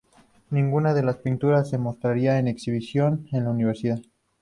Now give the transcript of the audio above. Ninguna de las pinturas se mostraría en exhibición en la universidad.